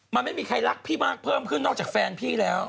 มันไม่มีใครรักพี่มากเพิ่มขึ้นนอกจากแฟนพี่แล้ว